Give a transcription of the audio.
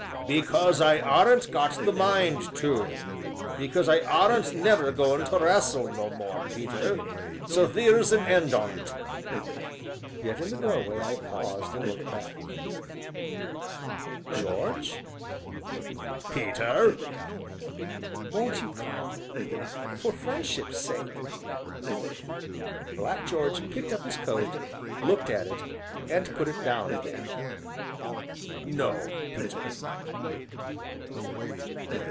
"Because I aren't got the mind to because I aren't never goin' to wrastle no more, Peter so theer's an end on 't." Yet, in the doorway I paused and looked back. "George." "Peter?" "Won't you come for friendship's sake?" Black George picked up his coat, looked at it, and put it down again. "No, Peter!"